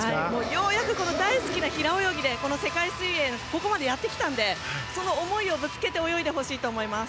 ようやく大好きな平泳ぎで世界水泳のここまでやってきたのでその思いをぶつけて泳いでほしいと思います。